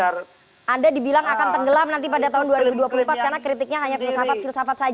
oke bung roky silakan anda dibilang akan tenggelam nanti pada tahun dua ribu dua puluh empat karena kritiknya hanya filsafat filsafat